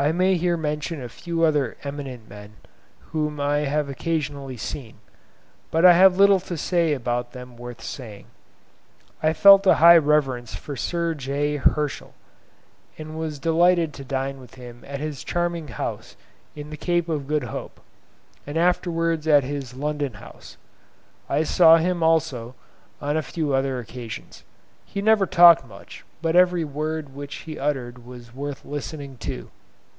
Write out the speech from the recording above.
I may here mention a few other eminent men, whom I have occasionally seen, but I have little to say about them worth saying. I felt a high reverence for Sir J. Herschel, and was delighted to dine with him at his charming house at the Cape of Good Hope, and afterwards at his London house. I saw him, also, on a few other occasions. He never talked much, but every word which he uttered was worth listening to.